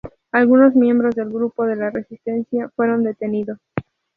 Algunos miembros del grupo de la resistencia fueron detenido.